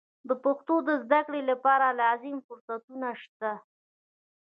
د پښتو د زده کړې لپاره لازم فرصتونه نشته.